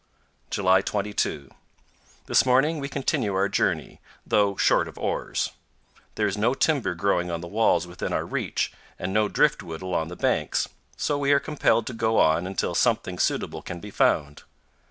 July 22. This morning we continue our journey, though short of oars. There is no timber growing on the walls within our reach and no driftwood along the banks, so we are compelled to go on until something suitable can be found.